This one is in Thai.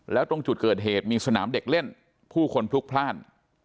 แล้วตรงจุดเกิดเหตุมีสนามเด็กเล่นผู้คนพลุกพลาด